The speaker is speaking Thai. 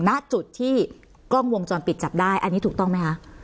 หน้าจุดที่กล้องวงจรปิดจัดได้อันนี้ถูกต้องมั้ยฮะ